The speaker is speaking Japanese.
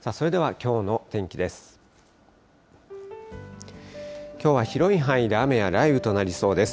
きょうは広い範囲で雨や雷雨となりそうです。